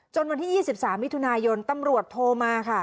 วันที่๒๓มิถุนายนตำรวจโทรมาค่ะ